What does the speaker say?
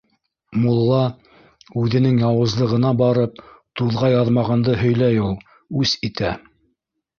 Мулла, үҙенең яуызлығына барып, туҙға яҙмағанды һөйләй ул, үс итә.